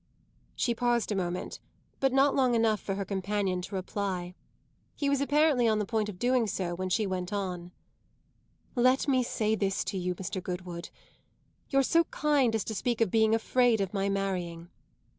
She paused a moment, but not long enough for her companion to reply. He was apparently on the point of doing so when she went on: "Let me say this to you, Mr. Goodwood. You're so kind as to speak of being afraid of my marrying.